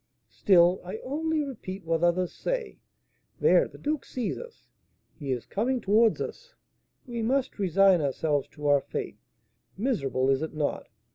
"Still I only repeat what others say. There, the duke sees us; he is coming towards us; we must resign ourselves to our fate, miserable, is it not?